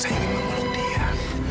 saya ingin memeluk dia